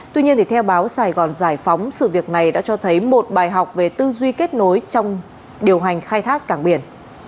tuy nhiên theo báo sài gòn giải phóng sự việc này đã cho thấy một bài học về tư duy kết nối trong điều hành khai thác cảng biển